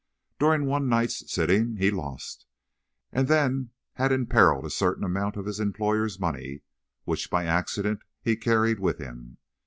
During one night's sitting he lost, and then had imperilled a certain amount of his employer's money, which, by accident, he carried with him.